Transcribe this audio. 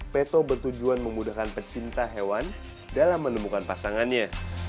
peto bertujuan memudahkan pecinta hewan dalam menemukan pasangannya